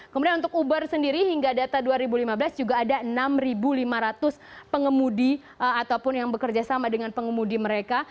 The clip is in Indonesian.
kemudian untuk uber sendiri hingga data dua ribu lima belas juga ada enam lima ratus pengemudi ataupun yang bekerja sama dengan pengemudi mereka